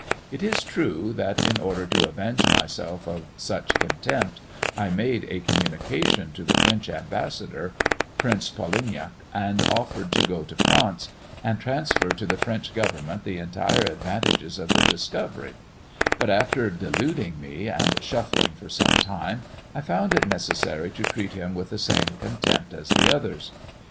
It is true that, in order to avenge myself of such contempt, I made a communication to the French ambassador, Prince Polignac, and offered to go to France, and transfer to the French government the entire advantages of the discovery; but, after deluding me, and shuffling for some time, I found it necessary to treat him with the same contempt as the others.